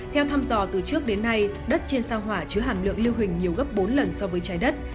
theo thăm dò từ trước đến nay đất trên sao hỏa chứa hàm lượng lưu hình nhiều gấp bốn lần so với trái đất